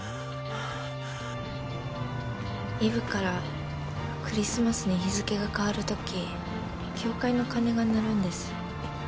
イブからクリスマスに日付が変わるとき教会の鐘が鳴るんです。